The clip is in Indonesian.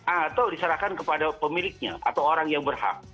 atau diserahkan kepada pemiliknya atau orang yang berhak